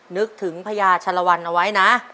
นึกถึงพญาชารวรรค์เอาไว้นะ